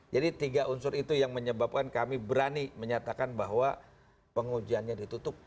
jadi tiga unsur itu yang menyebabkan kami berani menyatakan bahwa pengujiannya ditutup